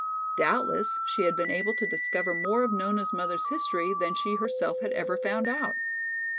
Doubtless she had been able to discover more of Nona's mother's history than she herself had ever found out.